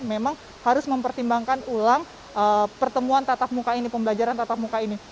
memang harus mempertimbangkan ulang pertemuan tatap muka ini pembelajaran tatap muka ini